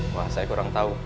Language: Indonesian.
wah saya kurang tau